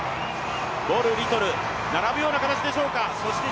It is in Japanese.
ボル、リトル、並ぶような形でしょうか。